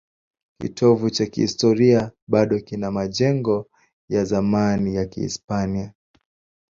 Kitovu cha kihistoria bado kina majengo ya zamani ya Kihispania.